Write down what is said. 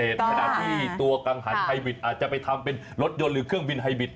ขณะที่ตัวกังหันไฮบิตอาจจะไปทำเป็นรถยนต์หรือเครื่องบินไฮบิต